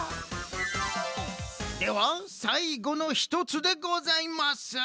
ではさいごの１つでございます。